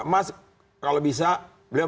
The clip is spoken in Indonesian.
mas kalau bisa beliau